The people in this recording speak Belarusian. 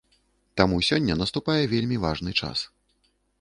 Таму сёння наступае вельмі важны час.